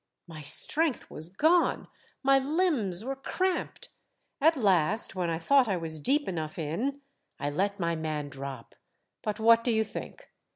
My strength was gone. My limbs were cramped. At last, when I thought I was deep enough in, I let my man drop. But what do you think?